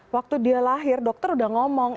waktu dia lahir dokter udah ngomong